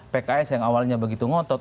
pks yang awalnya begitu ngotot